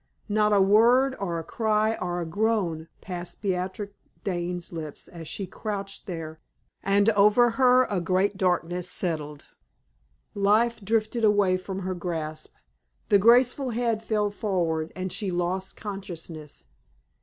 Not a word, or a cry, or a groan, passed Beatrix Dane's lips as she crouched there, and over her a great darkness settled; life drifted away from her grasp; the graceful head fell forward, and she lost consciousness.